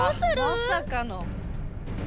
まさかの。